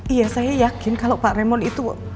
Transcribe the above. iya saya yakin kalau pak remon itu